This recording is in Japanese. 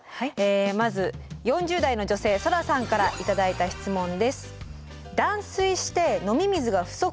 まず４０代の女性そらさんから頂いた質問です。